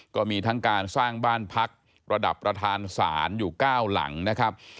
ก็มีทั้งการสร้างบ้านพักระดับประธานศาลอยู่๙หลังนะครับ